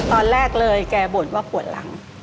ตอนแรกเลยแกบ่นว่าปวดหลัง